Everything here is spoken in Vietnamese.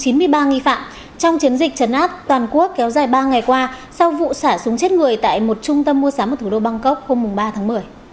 chiến dịch chấn át toàn quốc kéo dài ba ngày qua sau vụ xả súng chết người tại một trung tâm mua sắm ở thủ đô bangkok hôm ba tháng một mươi